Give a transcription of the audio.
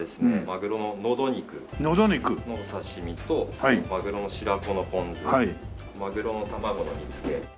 まぐろののど肉のお刺し身とまぐろの白子のポン酢まぐろの卵の煮付け。